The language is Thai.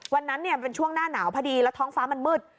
วันนั้นเป็นช่วงหน้าหนาวพอดีแล้วท้องฟ้ามันมืด